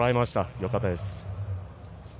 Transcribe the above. よかったです。